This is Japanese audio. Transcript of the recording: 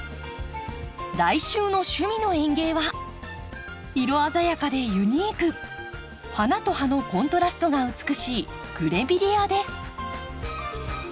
来週の「趣味の園芸」は色鮮やかでユニーク花と葉のコントラストが美しいグレビレアです。